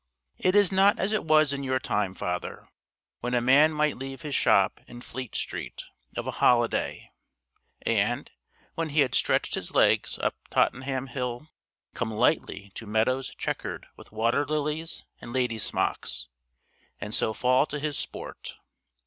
It is not as it was in your time, Father, when a man might leave his shop in Fleet Street, of a holiday, and, when he had stretched his legs up Tottenham Hill, come lightly to meadows chequered with waterlilies and lady smocks, and so fall to his sport.